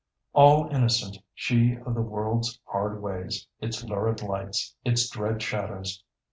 All innocent she of the world's hard ways, its lurid lights, its dread shadows.